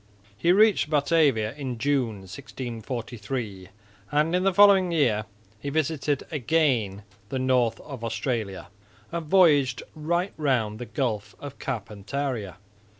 He reached Batavia in June, 1643, and in the following year he visited again the north of Australia and voyaged right round the Gulf of Carpentaria.